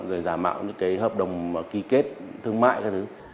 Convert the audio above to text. rồi giả mạo những cái hợp đồng ký kết thương mại các thứ